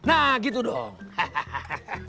nah gitu dong